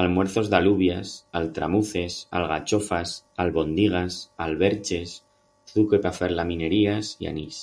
Almuerzos d'alubias, altramuces, algachofas, albondigas, alberches, zucre pa fer laminerias y anís.